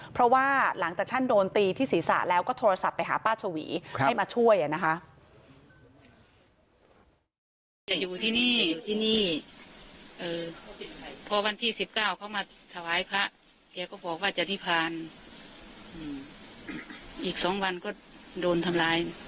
เพราะว่าหลังจากท่านโดนตีที่ศีรษะแล้วก็โทรศัพท์ไปหาป้าชวีให้มาช่วยนะคะ